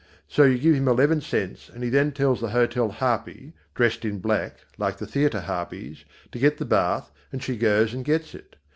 So you give him eleven cents and he then tells the hotel harpy, dressed in black, like the theatre harpies, to get the bath and she goes and gets it.